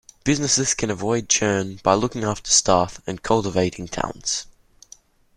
Businesses can avoid churn by looking after staff and cultivating talents.